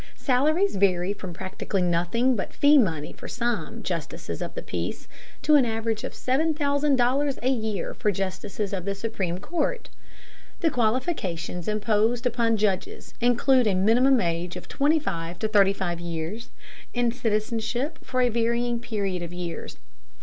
Salaries vary from practically nothing but fee money for some justices of the peace to an average of $7000 a year for justices of the supreme court. The qualifications imposed upon judges include a minimum age of 25 to 35 years, and citizenship for a varying period of years.